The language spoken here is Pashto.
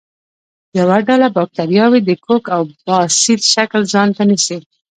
یوه ډله باکتریاوې د کوک او باسیل شکل ځانته نیسي.